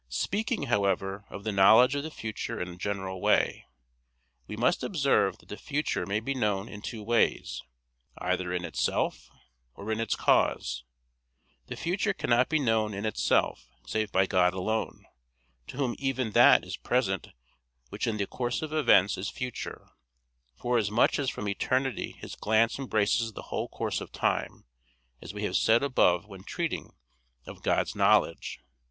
Speaking, however, of the knowledge of the future in a general way, we must observe that the future may be known in two ways: either in itself, or in its cause. The future cannot be known in itself save by God alone; to Whom even that is present which in the course of events is future, forasmuch as from eternity His glance embraces the whole course of time, as we have said above when treating of God's knowledge (Q.